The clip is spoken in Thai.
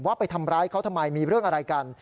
ไปทำร้ายเขาทำไมมีเรื่องอะไรกัน